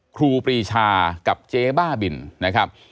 ครูปรีชากับเจ๊บ้าบินนะครับ